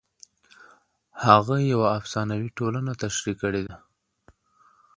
هغه یوه افسانوي ټولنه تشریح کړې ده.